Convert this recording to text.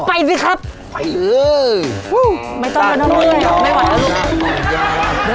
ไปสิครับไปเลยไม่ต้องไปนั่นด้วยไม่ไหวนะลูก